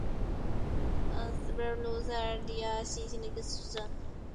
施内贝格山麓普赫贝格是奥地利下奥地利州诺因基兴县的一个市镇。